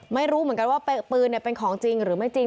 ไม่รู้เหมือนกันว่าปืนเป็นของจริงหรือไม่จริง